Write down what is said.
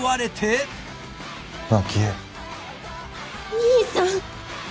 兄さん。